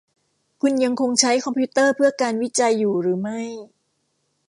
คุณยังคงใช้คอมพิวเตอร์เพื่อการวิจัยอยู่หรือไม่ ?